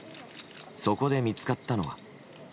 そこで見つかったのは。